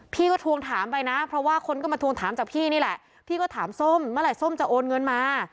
พี่ก็ทวงถามไปนะเพราะว่าคนก็มาทวงถามจากพี่นี่แหละพี่ก็ถามส้มเมื่อไหร่ส้มจะโอนเงินมา